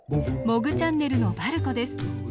モグチャンネルのばるこです。